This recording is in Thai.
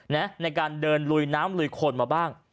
ในการเดินลุยน้ำลุยคนมาบ้าง